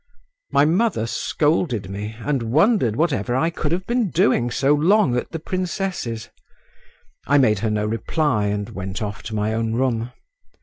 My mother scolded me and wondered what ever I could have been doing so long at the princess's. I made her no reply and went off to my own room.